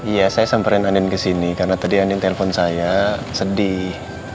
iya saya samperin andien ke sini karena tadi andien telfon saya sedih